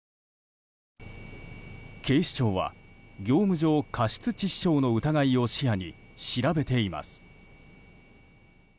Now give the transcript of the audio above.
警視庁は業務上過失致死傷の疑いを視野に調べています。